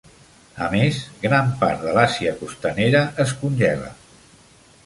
A més, gran part de l'Àsia costanera es congela.